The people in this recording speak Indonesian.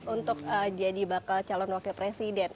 untuk jadi bakal calon wakil presiden